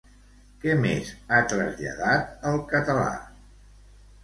Què més ha traslladat al català?